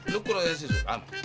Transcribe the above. lu kurangnya si sulam